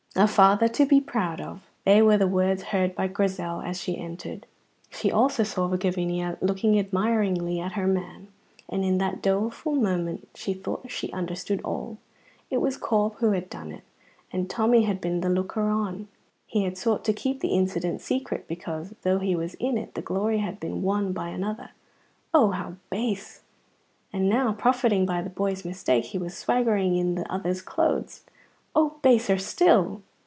A father to be proud of! They were the words heard by Grizel as she entered. She also saw Gavinia looking admiringly at her man, and in that doleful moment she thought she understood all. It was Corp who had done it, and Tommy had been the looker on. He had sought to keep the incident secret because, though he was in it, the glory had been won by another (oh, how base!), and now, profiting by the boy's mistake, he was swaggering in that other's clothes (oh, baser still!).